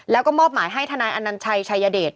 แล้วก็มอบหมายให้ทนายอนัญชัยชายเดช